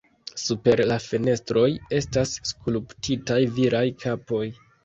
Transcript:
Super la fenestroj estas skulptitaj viraj kapoj.